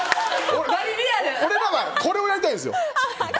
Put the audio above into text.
俺らはこれをやりたいんですよ。